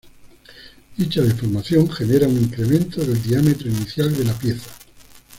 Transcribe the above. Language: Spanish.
Dicha deformación genera un incremento del diámetro inicial de la pieza.